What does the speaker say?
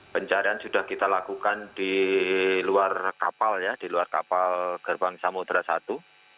pencarian sudah kita lakukan di luar kapal ya di luar kapal gerbang samudera i